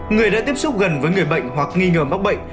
người đã tiếp xúc gần với người bệnh hoặc nghi ngờ mắc bệnh